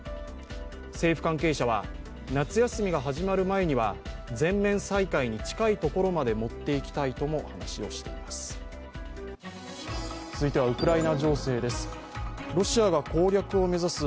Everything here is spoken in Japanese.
政府関係者は、夏休みが始まる前には全面再開に近いところまで持っていきたいとも話をしています。